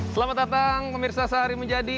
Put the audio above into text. selamat datang pemirsa sehari menjadi